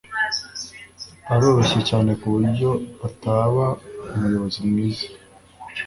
aroroshye cyane kuburyo ataba umuyobozi mwiza.